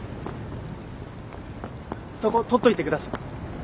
そこ取っといてください。